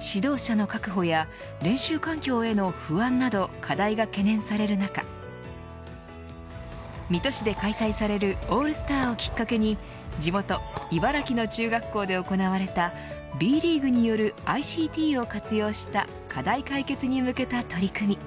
指導者の確保や練習環境への不安など課題が懸念される中水戸市で開催されるオールスターをきっかけに地元、茨城の中学校で行われたＢリーグによるＩＣＴを活用した課題解決に向けた取り組み。